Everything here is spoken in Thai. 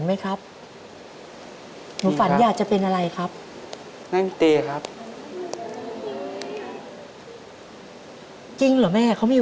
ไม่ก็เห็นบ้างว่าตาของน้องนี่